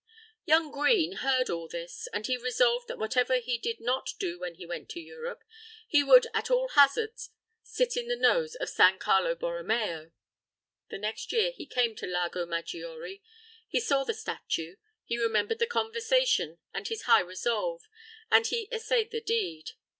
Young Green heard all this, and he resolved that whatever he did not do when he went to Europe, he would at all hazards sit in the nose of San Carlo Borromeo. The next year he came to Lago Maggiore. He saw the statue. He remembered the conversation and his high resolve, and he essayed the deed.